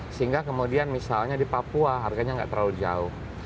sehingga kemudian misalnya di papua harganya nggak terlalu jauh